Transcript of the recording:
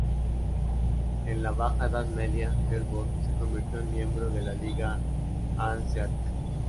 En la Baja Edad Media Herford se convirtió en miembro de la Liga Hanseática.